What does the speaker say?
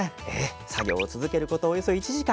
作業を続けることおよそ１時間。